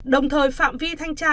đồng thời phạm vi thanh tra